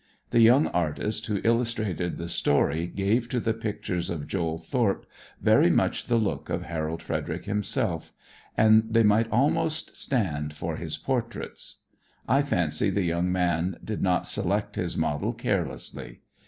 The young artist who illustrated the story gave to the pictures of "Joel Thorpe" very much the look of Harold Frederic himself, and they might almost stand for his portraits. I fancy the young man did not select his model carelessly.